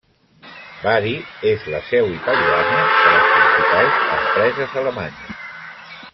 Bari és la seu italiana de les principals empreses alemanyes.